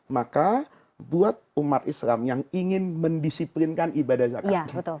maka buat umat islam yang ingin mendisiplinkan ibadah zakat